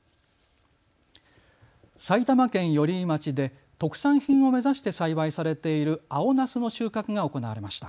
埼玉県寄居町で特産品を目指して栽培されている青なすの収穫が行われました。